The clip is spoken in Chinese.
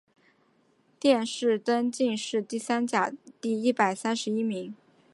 殿试登进士第三甲第一百三十一名。